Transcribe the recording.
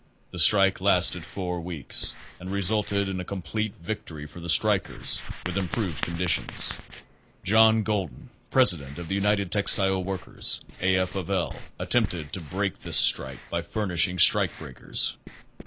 The strike lasted four weeks and re sulted in a complete victory for the strikers with im proved conditions. ' John Golden, president of the United Textile Workers, A. F. of L., attempted to break this strike by furnishing strike breakers.